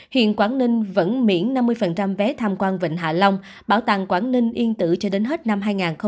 hiện quảng ninh vẫn miễn năm mươi vé tham quan vịnh hạ long bảo tàng quảng ninh yên tử cho đến hết năm hai nghìn hai mươi